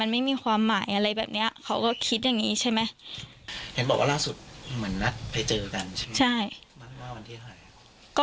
ลงมือฆ่าสามีได้แต่ก็เข้าใจว่าคงทุกข์ใจมาก